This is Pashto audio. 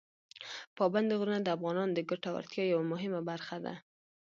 پابندي غرونه د افغانانو د ګټورتیا یوه مهمه برخه ده.